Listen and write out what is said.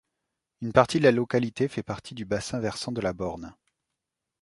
Une partie de la localité fait partie du bassin versant de la Borne.